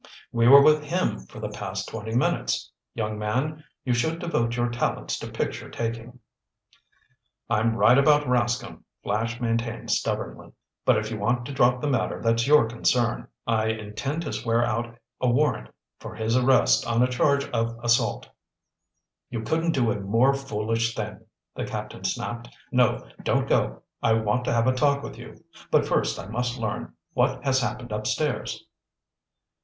"We were with him for the past twenty minutes. Young man, you should devote your talents to picture taking." "I'm right about Rascomb," Flash maintained stubbornly. "But if you want to drop the matter that's your concern. I intend to swear out a warrant for his arrest on a charge of assault." "You couldn't do a more foolish thing," the captain snapped. "No, don't go. I want to have a talk with you. But first I must learn what has happened upstairs."